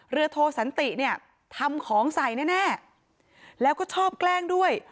โทสันติเนี่ยทำของใส่แน่แล้วก็ชอบแกล้งด้วย